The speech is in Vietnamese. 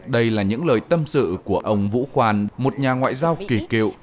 đây là những lời tâm sự của ông vũ khoan một nhà ngoại giao kỳ cựu